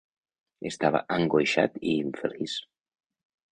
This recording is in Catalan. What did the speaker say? Estava angoixat i infeliç.